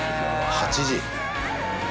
８時。